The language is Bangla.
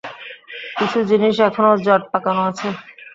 কিছু জিনিস এখনো জট পাকানো আছে।